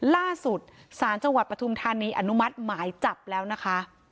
ล่าสุดศาลจังหวัดปฐุมธานีอนุมัติหมายจับแล้วนะคะ